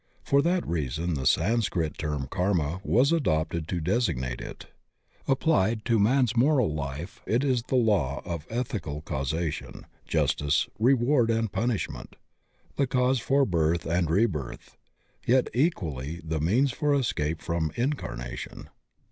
For that reason the Sanscrit term Karma was adopted to designate it. AppUed to man's moral life it is the law of ethical causation, justice, reward and punishment; the cause for birth and rebirth, yet equally the means for escape from incarnation.